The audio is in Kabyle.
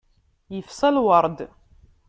Yefsa lwerḍ.